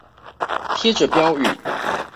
貼著標語